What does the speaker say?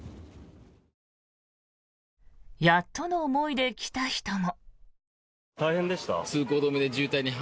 やっとの思いで来た人も。